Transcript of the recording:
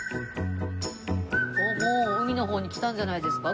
おっもう海の方に来たんじゃないですか？